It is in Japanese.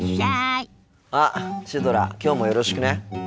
あっシュドラきょうもよろしくね。